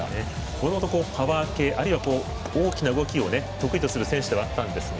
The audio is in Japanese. もともと、パワー系大きな動きを得意とする選手であったんですが。